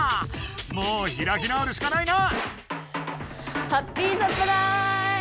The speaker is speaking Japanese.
もうひらき直るしかないな！